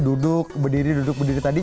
duduk berdiri duduk berdiri tadi